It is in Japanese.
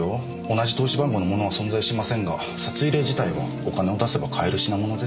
同じ通し番号のものは存在しませんが札入れ自体はお金を出せば買える品物ですから。